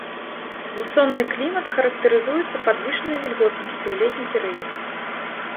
Мусонны клімат характарызуецца падвышанай вільготнасцю ў летні перыяд.